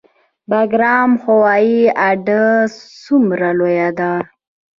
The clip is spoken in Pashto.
بګرام هوایي اډه څومره لویه ده؟